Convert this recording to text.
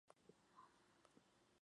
Sus libros fueron quemados.